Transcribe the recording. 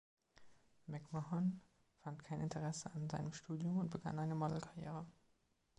McMahon fand kein Interesse an seinem Studium und begann eine Modelkarriere.